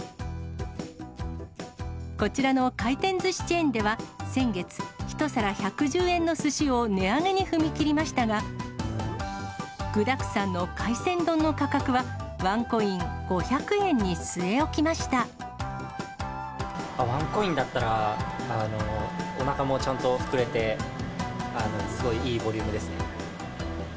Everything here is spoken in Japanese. こちらの回転ずしチェーンでは、先月、１皿１１０円のすしを値上げに踏み切りましたが、具だくさんの海鮮丼の価格は、ワンコイン、５００円に据え置きワンコインだったら、おなかもちゃんと膨れて、すごいいいボリュームですね。